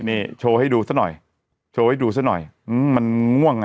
นี่โชว์ให้ดูซะหน่อยโชว์ให้ดูซะหน่อยอืมมันง่วงอ่ะ